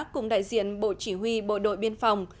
cùng đại diện bộ chỉ huy bộ đội biên phòng